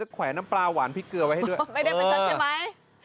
แขวนน้ำปลาหวานพริกเกลือไว้ให้ด้วยไม่ได้ประชดใช่ไหม